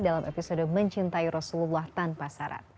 dalam episode mencintai rasulullah tanpa syarat